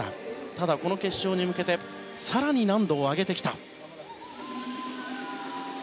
ただ、この決勝に向けて更に難度を上げてきた。